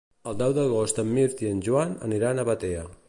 El deu d'agost en Mirt i en Joan aniran a Batea.